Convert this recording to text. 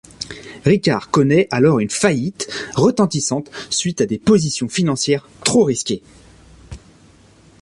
Ricard connaît alors une faillite retentissante suite à des positions financières trop risquées.